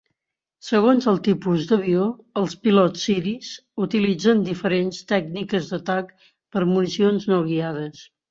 Segons el tipus d'avió, els pilots siris utilitzen diferents tècniques d'atac per municions no guiades.